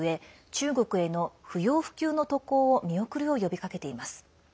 中国への不要不急の渡航を見送るよう呼びかけています。